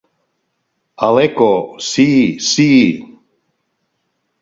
El Eco: ¡Sí, sí!